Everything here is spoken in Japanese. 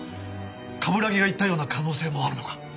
冠城が言ったような可能性もあるのか？